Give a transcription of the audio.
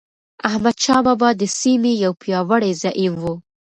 احمدشاه بابا د سیمې یو پیاوړی زعیم و.